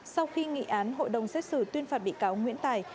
sau khi nghị án hội đồng xét xử tuyên phạt bị cáo nguyễn tài